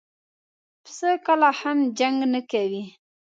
پسه کله هم جنګ نه کوي.